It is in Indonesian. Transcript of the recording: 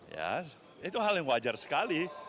ya itu hal yang wajar sekali